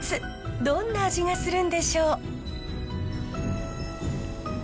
どんな味がするんでしょう？